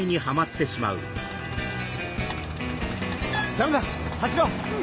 ダメだ走ろう！